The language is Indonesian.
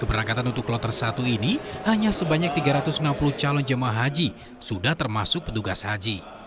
keberangkatan untuk kloter satu ini hanya sebanyak tiga ratus enam puluh calon jemaah haji sudah termasuk petugas haji